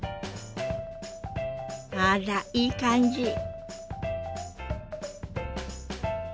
あらいい感じ。